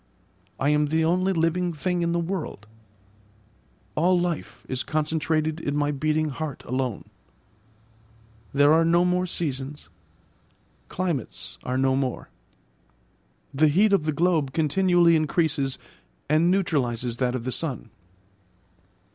I am the only living thing in the world: all life is concentrated in my beating heart alone. There are no more seasons; climates are no more; the heat of the globe continually increases and neutralises that of the sun.